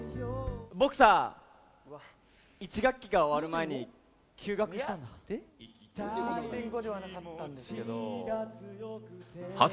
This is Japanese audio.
僕さ、１学期が終わる前に休学するんだ。